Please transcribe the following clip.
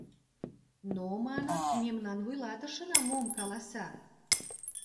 Но, маныт, мемнан вуйлатышына мом каласа?